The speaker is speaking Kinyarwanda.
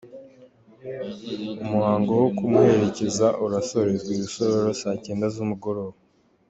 Umuhango wo kumuherekeza urasorezwa i Rusororo saa cyenda z’umugoroba.